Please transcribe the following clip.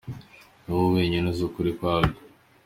Ni wowe wenyine uzi ukuri kwa byo!